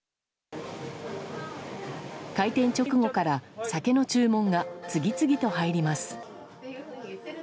開店直後から、酒の注文が次々と入ります。